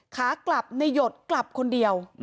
ขากลับในหยดกลับคนเดียว